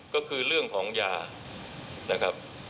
ก็คือเรื่องของยานะครับ